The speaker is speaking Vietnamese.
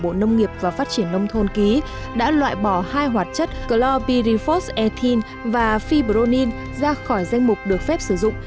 bộ nông nghiệp và phát triển nông thôn ký đã loại bỏ hai hoạt chất globifosate và fibronil ra khỏi danh mục được phép sử dụng